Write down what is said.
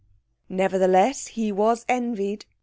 Nevertheless, he was envied.